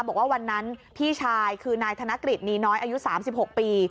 บอกว่าวันนั้นพี่ชายคือนายธนกฤษนีน้อยอายุ๓๖ปี